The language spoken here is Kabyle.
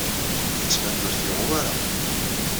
Yettban-d ur t-yuɣ wara.